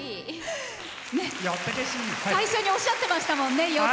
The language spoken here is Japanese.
最初におっしゃってましたよね。